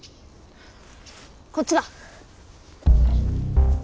こっちだ！